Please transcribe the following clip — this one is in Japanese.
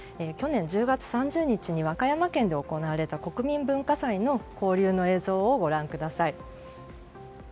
去年１０月３０日に和歌山県で行われた国民文化祭の交流の映像です。